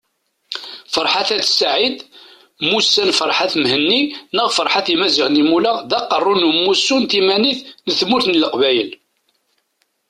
Ferḥat At Said mmusan Ferhat Mehenni neɣ Ferhat Imazighen Imula, d Aqerru n Umussu n Timanit n Tmurt n Leqbayel